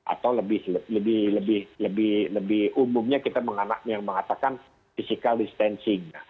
atau lebih lebih lebih lebih umumnya kita mengatakan physical distancing